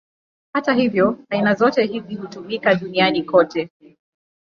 Hata hivyo, aina zote hizi hutumika duniani kote.